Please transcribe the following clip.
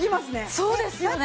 そうですよね。